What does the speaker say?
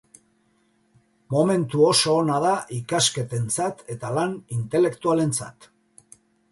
Momentu oso ona da ikasketentzat eta lan intelektualentzat.